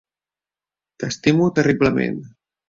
T'estimo terriblement.